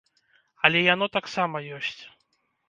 Але яно таксама ёсць.